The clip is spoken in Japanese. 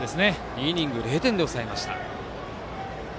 ２イニング０点で抑えました。